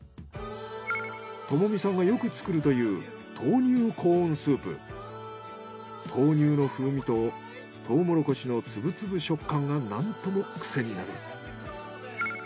友実さんがよく作るという豆乳の風味とトウモロコシの粒々食感がなんとも癖になる。